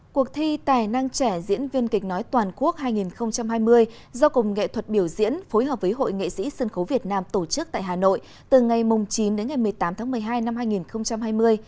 cuộc thi tài năng trẻ diễn viên kịch nói toàn quốc hai nghìn hai mươi do cộng nghệ thuật biểu diễn phối hợp với hội nghệ sĩ sân khấu việt nam tổ chức tại hà nội từ ngày chín đến ngày một mươi tám tháng một mươi hai năm hai nghìn hai mươi